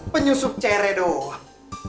penyusup cere doang